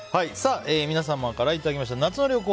皆様からいただきました夏の旅行！